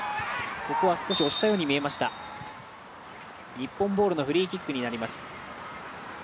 日本ボールのフリーキックになります。